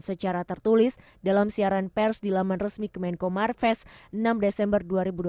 secara tertulis dalam siaran pers di laman resmi kemenko marves enam desember dua ribu dua puluh